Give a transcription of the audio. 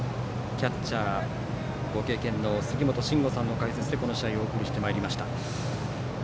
キャッチャーご経験の杉本真吾さんの解説でこの試合をお送りしてまいりました。